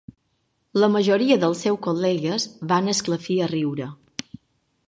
La majoria dels seus col·legues van esclafir a riure.